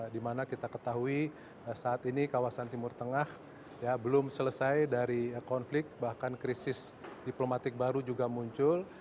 dimana kita ketahui saat ini kawasan timur tengah belum selesai dari konflik bahkan krisis diplomatik baru juga muncul